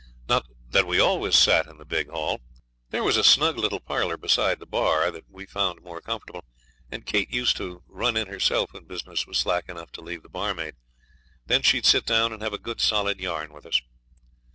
Not that we always sat in the big hall. There was a snug little parlour beside the bar that we found more comfortable, and Kate used to run in herself when business was slack enough to leave the barmaid; then she'd sit down and have a good solid yarn with us.